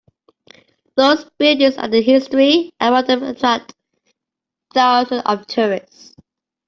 Those buildings and the history around them attract thousands of tourists.